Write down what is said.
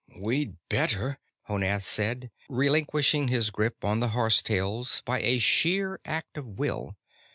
"We'd better," Honath said, relinquishing his grip on the horsetails by a sheer act of will.